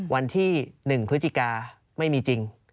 วันที่๑พฤศจิกาไม่มีจริง